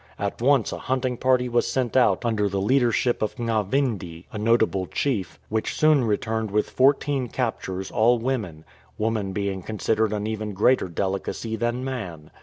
At once a hunting party was sent out under the leadership of Ngavindi, a notable chief, which soon returned with four teen captures, all women — woman being considered an even greater delicacy than man.